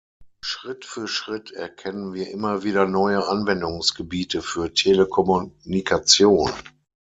Schritt für Schritt erkennen wir immer wieder neue Anwendungsgebiete für Telekommunikation.